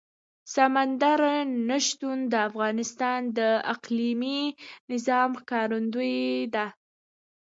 سمندر نه شتون د افغانستان د اقلیمي نظام ښکارندوی ده.